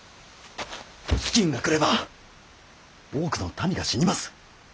飢饉が来れば多くの民が死にます。